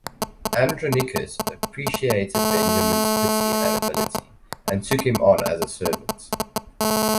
Andronicus appreciated Benjamin's piety and ability, and took him on as a servant.